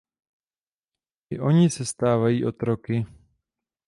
I oni se stávají otroky.